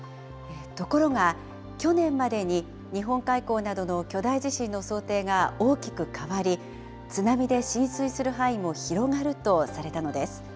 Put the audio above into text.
ところが、去年までに日本海溝などの巨大地震の想定が大きく変わり、津波で浸水する範囲も広がるとされたのです。